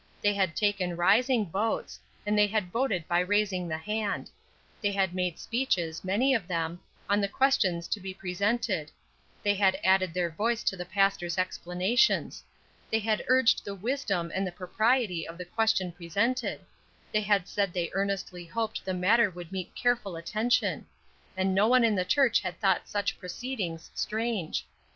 They had taken rising votes, and they had voted by raising the hand; they had made speeches, many of them, on the questions to be presented; they had added their voice to the pastor's explanations; they had urged the wisdom and the propriety of the question presented; they had said they earnestly hoped the matter would meet careful attention; and no one in the church had thought such proceedings strange.